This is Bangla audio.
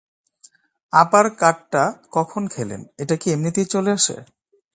আপার কাটটা কখন খেলেন—এটা কি এমনিতেই চলে আসে।